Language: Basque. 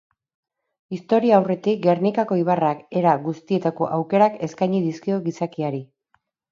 Historiaurretik Gernikako ibarrak era guztietako aukerak eskaini dizkio gizakiari.